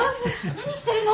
何してるの？